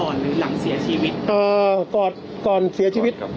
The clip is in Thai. บอกไหมครับว่าขึ้นก่อนหรือหลังเสียชีวิต